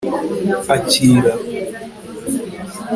akira